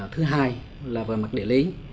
thứ hai là về mặt địa lý